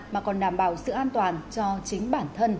mà còn đảm bảo sự an toàn cho chính bản thân